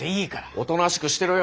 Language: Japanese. おとなしくしてろよ！